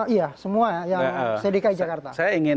iya semua yang cdki jakarta